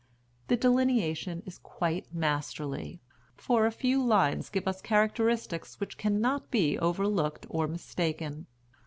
The delineation is quite masterly, for a few lines give us characteristics which cannot be overlooked or mistaken.